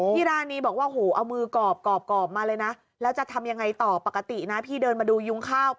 ร้านนี้บอกว่าโหเอามือกรอบกรอบมาเลยนะแล้วจะทำยังไงต่อปกตินะพี่เดินมาดูยุงข้าว